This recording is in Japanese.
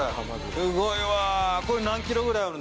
すごいわ。